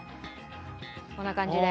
こんな感じで。